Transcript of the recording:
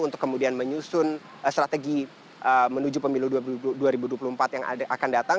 untuk kemudian menyusun strategi menuju pemilu dua ribu dua puluh empat yang akan datang